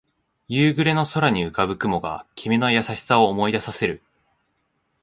夕暮れの空に浮かぶ雲が君の優しさを思い出させる